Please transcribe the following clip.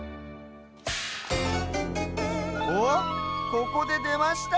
おっここででました。